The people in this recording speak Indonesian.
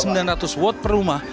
sembilan ratus watt per rumah